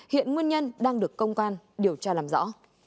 hiện nguyên nhân đang được công an điều tra làm rõ